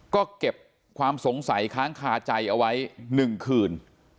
ก็เก็บความสงสัยค้างคาใจเอาไว้๑คืน